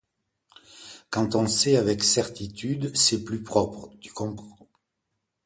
Quand on sait avec certitude, c’est plus propre, tu comprends…